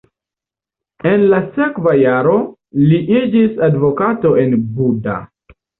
En la sekva jaro li iĝis advokato en Buda.